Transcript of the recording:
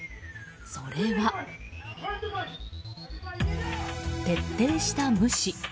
それは。徹底した無視。